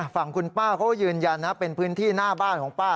ฝั่งคุณป้าเขาก็ยืนยันนะเป็นพื้นที่หน้าบ้านของป้า